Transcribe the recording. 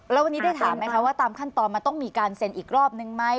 แล้ววันนี้ได้ถามไหมคะว่าตามขั้นตอนมันต้องมีการเซ็นอีกรอบนึงไหม